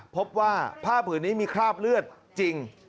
พบว่าผ้าผืนนี้มีคราบเลือดจริง